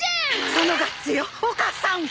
そのガッツよ岡さん！